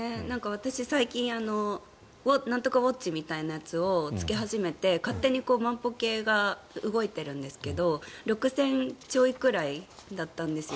私、最近なんとかウォッチみたいなものをつけ始めて、勝手に万歩計が動いてるんですけど６０００ちょいくらいだったんです。